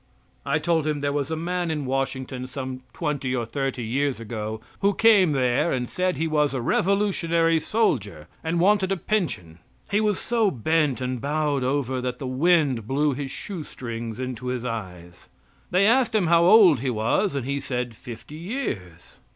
I told him there was a man in Washington some twenty or thirty years ago who came there and said he was a Revolutionary soldier and wanted a pension. He was so bent and bowed over that the wind blew his shoestrings into his eyes. They asked him how old he was, and he said fifty years.